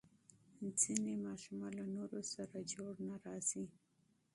ځینې ماشومان له نورو سره جوړ نه راځي.